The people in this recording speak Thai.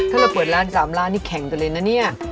ถ้าเราเปิดร้าน๓ล้านนี่แข่งกันเลยนะเนี่ย